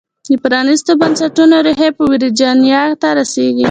د پرانیستو بنسټونو ریښې په ویرجینیا ته رسېږي.